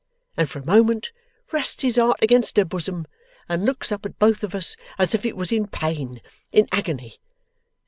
and for a moment rests his heart against her bosom, and looks up at both of us, as if it was in pain in agony.